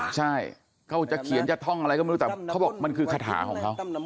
ใช่เค้าจะเขียนแต่เค้าบอกมันคือคาดหาของเค้า